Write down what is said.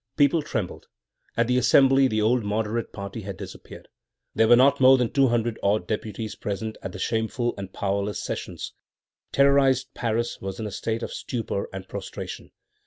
People trembled. At the Assembly the old moderate party had disappeared. There were not more than two hundred odd deputies present at the shameful and powerless sessions. Terrorized Paris was in a state of stupor and prostration.